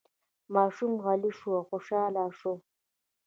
ماشوم غلی شو او خوشحاله شو.